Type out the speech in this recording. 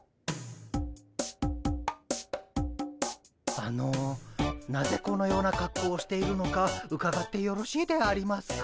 あのなぜこのようなかっこうをしているのかうかがってよろしいでありますか？